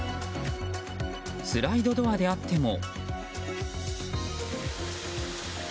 スライドドアであっても。